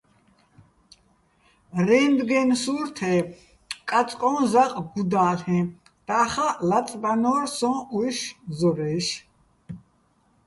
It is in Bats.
რენდგენ სურთე კაწკო́ჼ ზაყ გუდა́ლ'ეჼ, და́ხაჸ ლაწბანო́რ სოჼ უჲში̆ ზორა́ჲში̆.